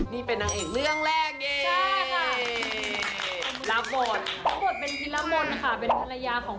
นี่เป็นนางเอกเรื่องแรกนี่